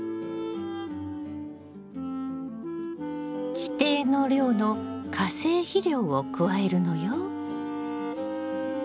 規定の量の化成肥料を加えるのよ。